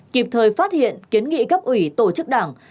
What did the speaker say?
kịp thời phát hiện kiến nghị cấp ủy tổ chức đảng